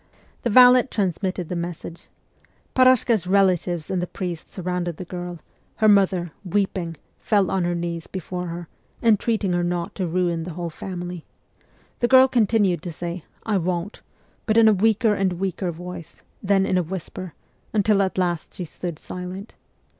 The valet transmitted the message. Parashka's relatives and the priest surrounded the girl ; her mother, weeping, fell on her knees before her, entreating her not to ruin the whole family. The girl continued to say ' I won't,' but in a weaker and weaker voice, then in a whisper, until at last she stood silent.